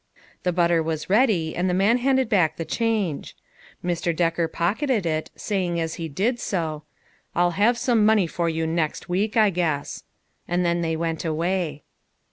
The butter was ready, and the man handed back the change. Mr. Decker pocketed it, saying as he did so, " I'll have some money for you next week, I guess." And then they went away.